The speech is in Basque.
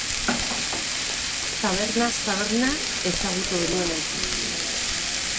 Tabernaz taberna ezagutu genuen elkar.